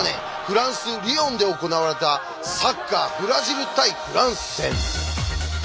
フランス・リヨンで行われたサッカーブラジル対フランス戦。